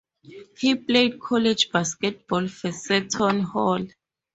He played college basketball for Seton Hall.